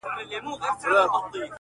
سبا او بله ورځ به؛